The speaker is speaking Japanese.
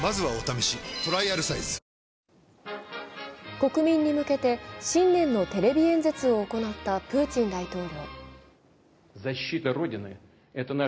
国民に向けて新年のテレビ演説を行ったプーチン大統領。